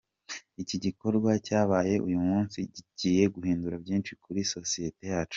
Iki gikorwa cyabaye uyu munsi kigiye guhindura byinshi kuri sosiyete yacu.